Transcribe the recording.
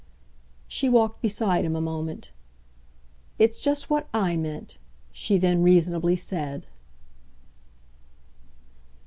She walked beside him a moment. "It's just what I meant," she then reasonably said.